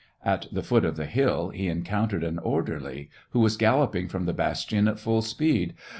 At the foot of the hill he encountered an orderly, who was gal loping from the bastion at full speed.